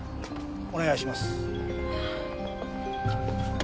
お願いします。